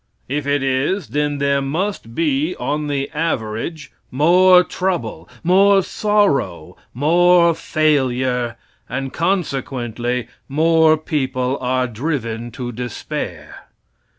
If it is, then there must be, on the average, more trouble, more sorrow, more failure, and, consequently, more people are driven to despair.